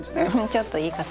ちょっと言い方。